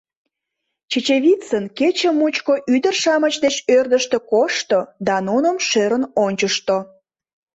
Чечевицын кече мучко ӱдыр-шамыч деч ӧрдыжтӧ кошто да нуным шӧрын ончышто.